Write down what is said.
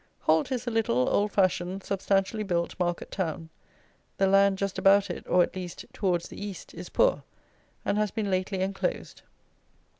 Holt is a little, old fashioned, substantially built market town. The land just about it, or, at least, towards the east, is poor, and has been lately enclosed.